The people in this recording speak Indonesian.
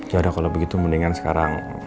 yaudah kalau begitu mendingan sekarang